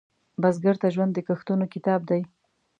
بزګر ته ژوند د کښتونو کتاب دی